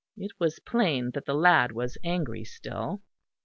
It was plain that the lad was angry still.